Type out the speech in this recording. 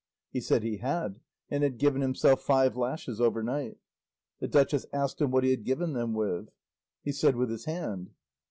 He said he had, and had given himself five lashes overnight. The duchess asked him what he had given them with. He said with his hand.